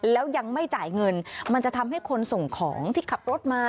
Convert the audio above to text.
แล้วยังไม่จ่ายเงินมันจะทำให้คนส่งของที่ขับรถมา